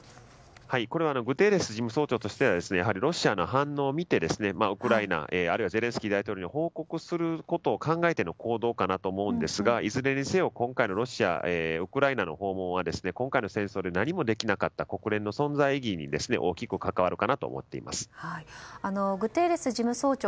これはグテーレス事務総長としてはロシアの反応を見てウクライナゼレンスキー大統領に報告することを考えての行動かなと思うんですがいずれにせよ、今回のロシアウクライナへの訪問は今回の戦争で何もできなかった国連の存在意義にグテーレス事務総長